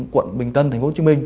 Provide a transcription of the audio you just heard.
quận bình tân tp hcm